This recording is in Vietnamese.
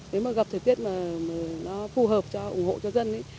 nếu mà gặp thời tiết mà nó phù hợp cho ủng hộ cho dân